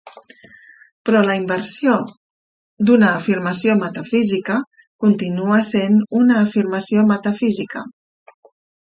Però la inversió d'una afirmació metafísica continua sent una afirmació metafísica.